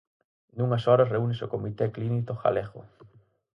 Nunhas horas reúnese o comité clínico galego.